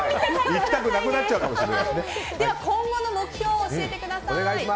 では今後の目標を教えてください。